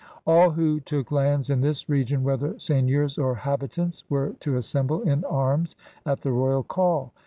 All who took lands in this region, whether seigneurs or habitants, were to assemble in arms at the royal call.